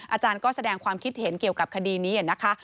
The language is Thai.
อาจารย์ก็แสดงความคิดเห็นเกี่ยวกับคดีนี้นะคะ